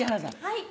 はい。